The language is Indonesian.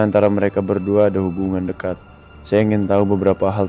terima kasih ya